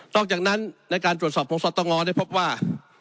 อกจากนั้นในการตรวจสอบของสตงได้พบว่า